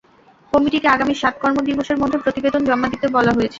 কমিটিকে আগামী সাত কর্ম দিবসের মধ্যে প্রতিবেদন জমা দিতে বলা হয়েছে।